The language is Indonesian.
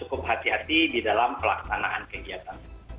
cukup hati hati di dalam pelaksanaan kegiatan